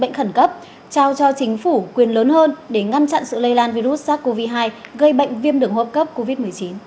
bệnh khẩn cấp trao cho chính phủ quyền lớn hơn để ngăn chặn sự lây lan virus sars cov hai gây bệnh viêm đường hô hấp cấp covid một mươi chín